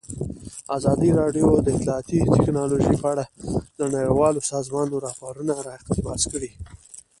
ازادي راډیو د اطلاعاتی تکنالوژي په اړه د نړیوالو سازمانونو راپورونه اقتباس کړي.